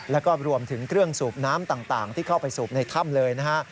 แล้วก็รวมถึงเครื่องสูบน้ำต่างที่เข้าไปสูบในถ้ำเลยนะฮะ